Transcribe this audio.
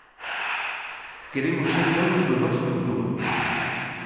Queremos ser donos do noso futuro.